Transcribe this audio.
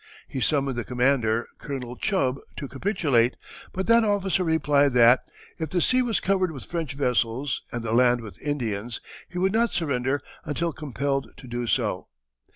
He summoned the commander, Colonel Chubb, to capitulate, but that officer replied that, "if the sea was covered with French vessels and the land with Indians, he would not surrender until compelled to do so."